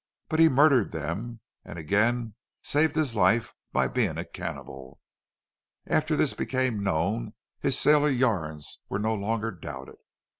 But he murdered them and again saved his life by being a cannibal. After this became known his sailor yarns were no longer doubted....